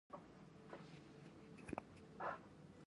په څلورو ورځو کې برابر کړل.